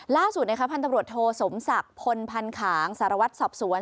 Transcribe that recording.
ล่าสุดนะครับพันธุ์ตำรวจโทสมศักดิ์พลพันธุ์ขางสารวัตรสอบสวน